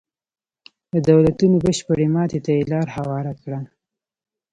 د دولتونو بشپړې ماتې ته یې لار هواره کړه.